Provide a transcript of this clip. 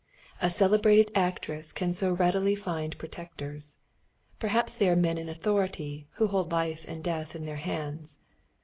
A celebrated actress can so readily find protectors. Perhaps they are men in authority, who hold life and death in their hands.